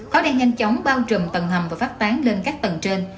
khói đen nhanh chóng bao trùm tầng hầm và phát tán lên các tầng trên